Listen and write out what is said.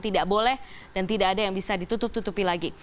tidak boleh dan tidak ada yang bisa ditutup tutupi lagi